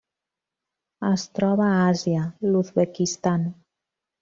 Es troba a Àsia: l'Uzbekistan.